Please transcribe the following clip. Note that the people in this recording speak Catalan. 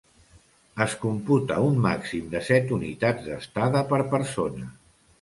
Es computa un màxim de set unitats d'estada per persona.